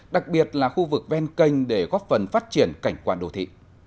đặc biệt là khu vực ven kênh để góp phần phát triển cảnh quản đô thị